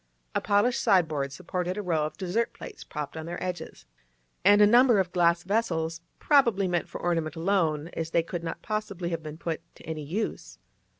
A polished sideboard supported a row of dessert plates propped on their edges, and a number of glass vessels, probably meant for ornament alone, as they could not possibly have been put to any use.